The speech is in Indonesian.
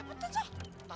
tapi pasti dianya